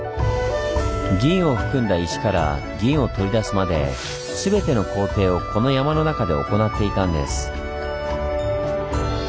銀を含んだ石から銀を取り出すまですべての工程をこの山の中で行っていたんです。